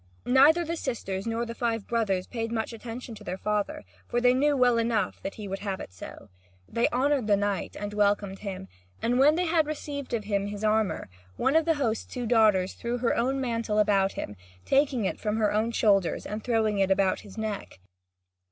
Neither the sisters nor the five brothers paid much attention to their father, for they knew well enough that he would have it so. They honoured the knight and welcomed him; and when they had relieved him of his armour, one of his host's two daughters threw her own mantle about him, taking it from her own shoulders and throwing it about his neck.